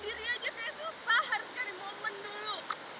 tapi ternyata mau berdiri aja saya susah harus cari momen dulu